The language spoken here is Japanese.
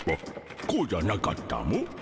こうじゃなかったモ。